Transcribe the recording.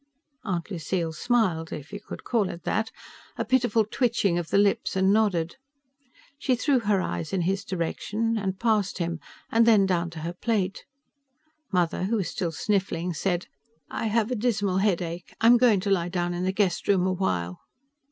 Aunt Lucille smiled, if you could call it that a pitiful twitching of the lips and nodded. She threw her eyes in his direction, and past him, and then down to her plate. Mother, who was still sniffling, said, "I have a dismal headache. I'm going to lie down in the guest room a while."